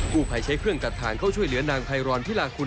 ผู้ภัยใช้เครื่องตัดทางเข้าช่วยเหลือนางไพรพิลากุล